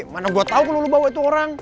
mana gua tau kalo lu bawa itu orang